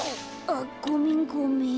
あっごめんごめん。